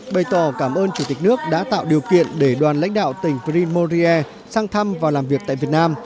bày tỏ cảm ơn chủ tịch nước đã tạo điều kiện để đoàn lãnh đạo tỉnh prin morier sang thăm và làm việc tại việt nam